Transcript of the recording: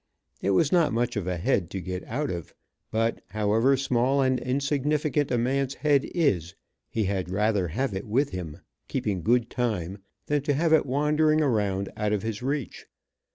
It was not much of a head to get out of, but however small and insignificant a man's head is, he had rather have it with him, keeping good time, than to have it wandering around out of his reach.